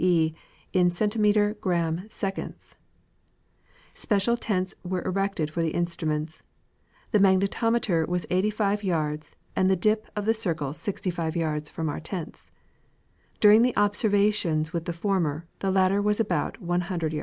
e., in centimetre gramme seconds). Special tents wei e erected for the instruments. The magnetometer was 85 yards and the dip circle 65 yards from our tents. During the observa tions with the former, the latter was about 100 yards distant.